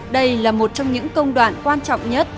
đây là một trong những công đoạn quan trọng nhất